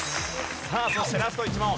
さあそしてラスト１問。